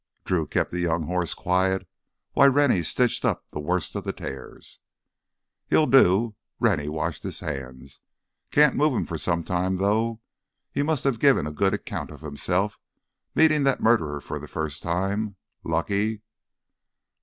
Drew kept the young horse quiet while Rennie stitched up the worst of the tears. "He'll do." Rennie washed his hands. "Can't move him for some time, though. He must have given a good account of himself meeting that murderer for the first time. Lucky